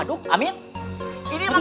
aduh amin ini emang